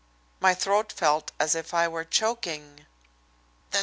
My throat felt as if I were choking.